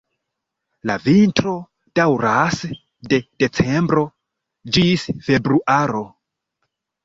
La vintro daŭras de decembro ĝis februaro.